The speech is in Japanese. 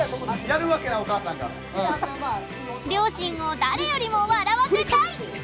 両親を誰よりも笑わせたい！